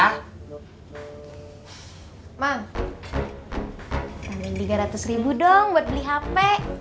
hmm tiga ratus ribu dong buat beli hp